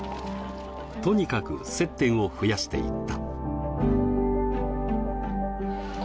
とにかく接点を増やしていった。